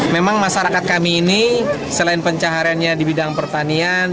memang masyarakat kami ini selain pencahariannya di bidang pertanian